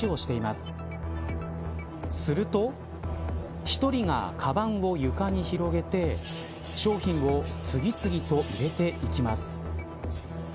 すると１人がかばんを床に広げて商品を次々と入れていきます。